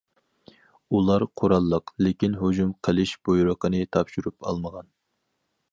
ئۇلار قوراللىق لېكىن ھۇجۇم قىلىش بۇيرۇقىنى تاپشۇرۇپ ئالمىغان.